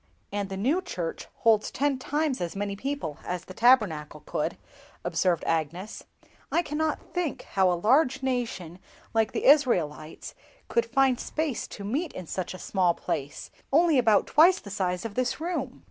"And the new church holds ten times as many people as the Tabernacle could," observed Agnes. "I cannot think how a large nation like the Israelites could find space to meet in such a small place, only about twice the size of this room!"